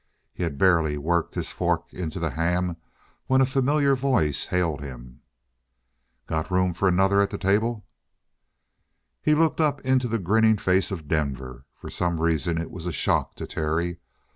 He had barely worked his fork into the ham when a familiar voice hailed him. "Got room for another at that table?" He looked up into the grinning face of Denver. For some reason it was a shock to Terry.